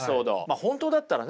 本当だったらね